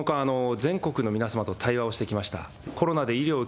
この間、全国の皆様と対話をしてきました。